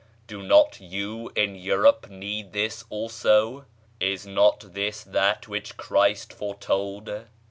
Do not you in Europe need this also? Is not this that which Christ foretold?...